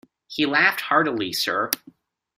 He laughed heartily, sir.